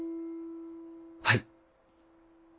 はい。